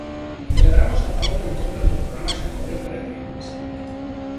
Celebramos ata oito encontros do programa Xacobeo Peregrinas.